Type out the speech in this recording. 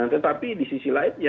tetapi di sisi lain